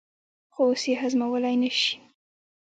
خو اوس یې هضمولای نه شي.